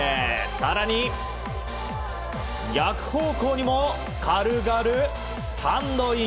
更に、逆方向にも軽々スタンドイン。